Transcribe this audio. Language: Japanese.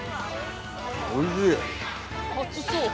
おいしい！